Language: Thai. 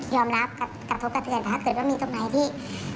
ยอมรับกระทบกับเพื่อนแต่ถ้าเกิดว่ามีตรงไหนที่